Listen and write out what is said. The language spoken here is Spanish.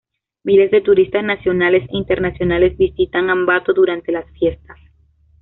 Miles de turistas nacionales e internacionales visitan Ambato durante las fiestas.